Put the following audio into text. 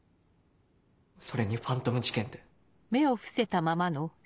それにファントム事件って。